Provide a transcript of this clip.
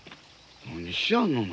何しやんのな。